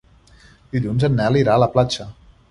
Dilluns en Nel irà a la platja.